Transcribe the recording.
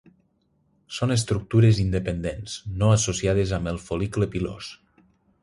Són estructures independents, no associades amb el fol·licle pilós.